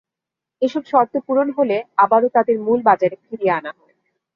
এসব শর্ত পূরণ হলে আবারও তাদের মূল বাজারে ফিরিয়ে আনা হয়।